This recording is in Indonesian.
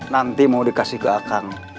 nanti mau dikasih ke akang